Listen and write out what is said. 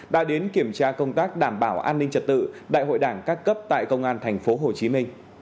đã đến kiểm tra công tác đảm bảo an ninh trật tự đại hội đảng các cấp tại công an tp hcm